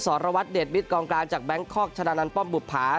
สอรวัตรเด็ดวิทย์กองกลางจากแบงค์คอร์กชนะนันต์ป้อมบุภา